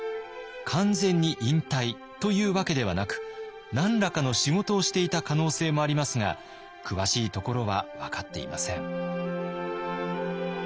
完全に引退というわけではなく何らかの仕事をしていた可能性もありますが詳しいところは分かっていません。